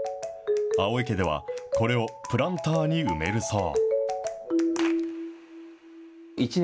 青江家ではこれをプランターに埋めるそう。